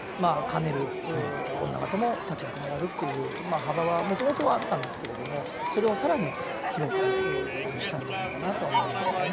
兼ねる女方も立役もやるっていうまあ幅はもともとはあったんですけれどもそれを更に広くしたんじゃないかなとは思いますね。